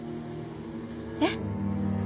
えっ？